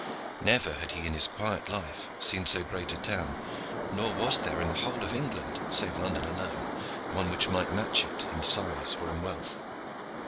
Never had he in his quiet life seen so great a town, nor was there in the whole of England, save London alone, one which might match it in size or in wealth.